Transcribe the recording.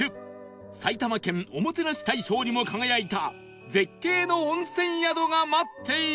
埼玉県おもてなし大賞にも輝いた絶景の温泉宿が待っている